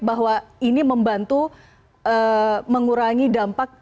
bahwa ini membantu mengurangi dampak